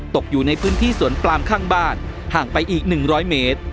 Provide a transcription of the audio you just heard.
อยู่ในพื้นที่สวนปลามข้างบ้านห่างไปอีก๑๐๐เมตร